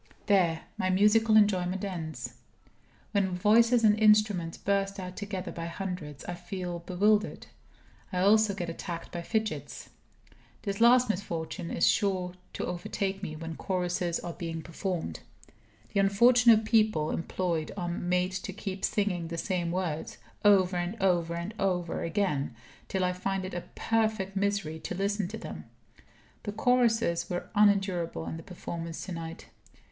There, my musical enjoyment ends. When voices and instruments burst out together by hundreds, I feel bewildered. I also get attacked by fidgets. This last misfortune is sure to overtake me when choruses are being performed. The unfortunate people employed are made to keep singing the same words, over and over and over again, till I find it a perfect misery to listen to them. The choruses were unendurable in the performance to night.